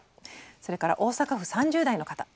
それから大阪府３０代の方。